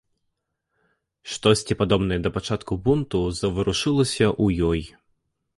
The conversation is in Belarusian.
Штосьці падобнае да пачатку бунту заварушылася ў ёй.